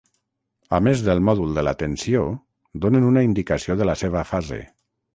A més del mòdul de la tensió donen una indicació de la seva fase.